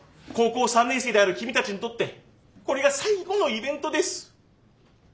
高校３年生である君たちにとってこれが最後のイベントです。